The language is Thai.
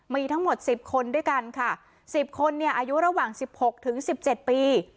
มีทั้งหมดสิบคนด้วยกันค่ะสิบคนเนี่ยอายุระหว่างสิบหกถึงสิบเจ็ดปี